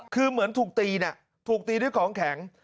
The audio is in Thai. คือเหมือนถูกตีนะถูกตีด้วยของแข็ง